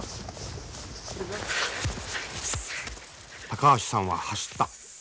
高橋さんは走った。